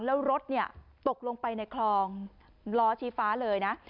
แล้วรถตกลงไปในคลองล้อชี้ฟ้าเลยนะ